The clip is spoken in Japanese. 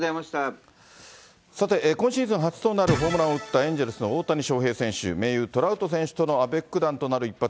さて、今シーズン初となるホームランを打った、エンゼルスの大谷翔平選手、盟友、トラウト選手とのアベック弾となる一発。